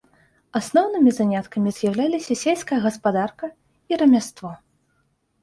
Асноўнымі заняткамі з'яўляліся сельская гаспадарка і рамяство.